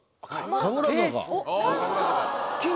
神楽坂。